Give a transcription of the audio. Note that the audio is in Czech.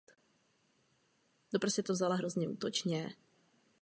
Zakladateli vesnice byli židovští přistěhovalci z Německa.